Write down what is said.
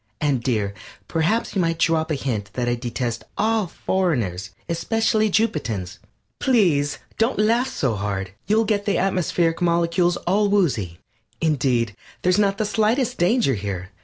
And, dear, perhaps you might drop a hint that I detest all foreigners, especially Jupitans. Please don't laugh so hard; you'll get the atmospheric molecules all woozy. Indeed, there's not the slightest danger here.